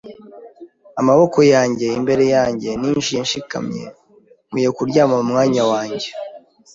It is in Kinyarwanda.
Amaboko yanjye imbere yanjye ninjiye nshikamye. Nkwiye kuryama mu mwanya wanjye